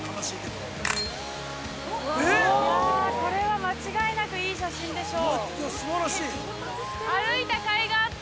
いや、これは間違いなくいい写真でしょう。